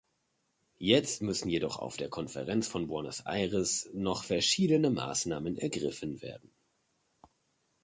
Jetzt müssen jedoch auf der Konferenz von Buenos Aires noch verschiedene Maßnahmen ergriffen werden.